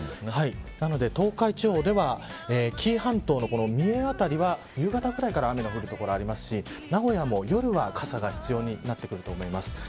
なので東海地方では紀伊半島の三重辺りは夕方くらいから雨が降る所もありますし名古屋も夜は傘が必要になると思います。